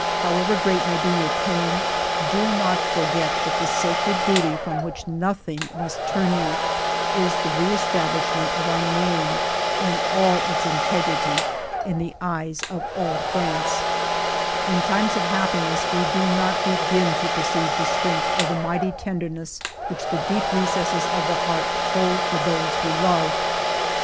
However great may be your pain, do not forget that the sacred duty from which nothing must turn you is the re establishment of our name, in all its integrity, in the eyes of all France, 16 242 FIVE YEARS OF MY LIFE " In times of happiness we do not begin to per ceive the strength of the mighty tenderness which the deep recesses of the heart hold for those we love.